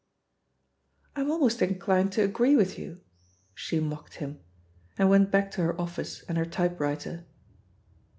"I'm almost inclined to agree with you," she mocked him, and went back to her office and her typewriter.